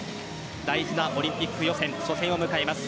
大事なオリンピック予選初戦を迎えます。